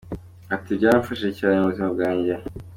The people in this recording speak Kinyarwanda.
Ati: “Byaramfashije cyane mu buzima bwanjye.